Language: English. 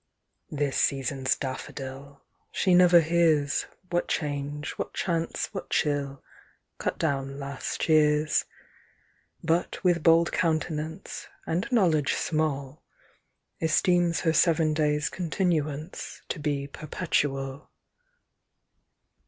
This season's Daffodil, She never hears, What change, what chance, what chill, Cut down last year's; But with bold countenance, And knowledge small, Esteems her seven days' continuance, To be perpetual.